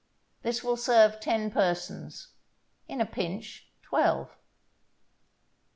This will serve ten persons; in a pinch, twelve.